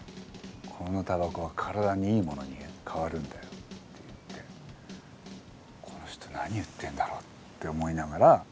このたばこは体にいいものに変わるんだよ」って言ってこの人何言ってんだろうって思いながら。